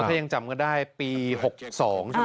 ถ้ายังจำกันได้ปี๖๒ใช่ไหม